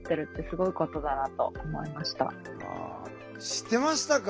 知ってましたか？